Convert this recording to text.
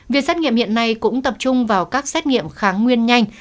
việc xét nghiệm hiện nay cũng tập trung vào các xét nghiệm kháng nguyên nhanh